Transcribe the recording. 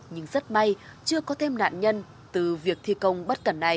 nhưng rất may chưa có thêm nạn nhân từ việc thi công bất cẩn này